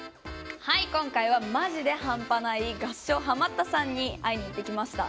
今回はマジで半端ない合唱ハマったさんに会いに行ってきました。